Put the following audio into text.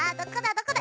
どこだ？